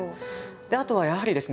あとはやはりですね